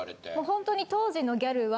ほんとに当時のギャルは。